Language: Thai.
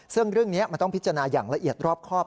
ซึ่งเรื่องนี้มันต้องพิจารณาอย่างละเอียดรอบครอบ